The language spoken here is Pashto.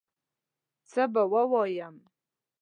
څه به ووایم